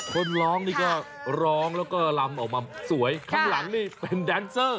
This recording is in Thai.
คนร้องนี่ก็ร้องแล้วก็ลำออกมาสวยข้างหลังนี่เป็นแดนเซอร์